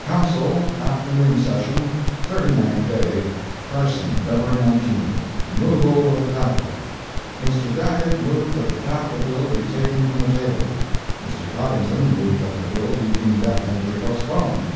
COUNCIL AFTERNOON SESSION THIRTY NINTH DAY CARSON, February 19 REMOVAL OF THE CAPITAL Mr. Daggett moved that the Capital bill be taken from the table. Mr. Coddington moved that the bill be indefinitely postponed.